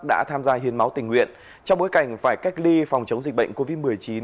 đã tham gia hiến máu tình nguyện trong bối cảnh phải cách ly phòng chống dịch bệnh covid một mươi chín